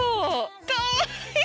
かわいい！